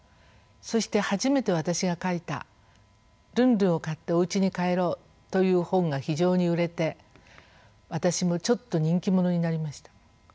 そして初めて私が書いた「ルンルンを買っておうちに帰ろう」という本が非常に売れて私もちょっと人気者になりました。